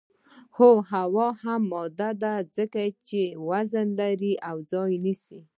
هو هوا هم ماده ده ځکه چې وزن لري او ځای نیسي.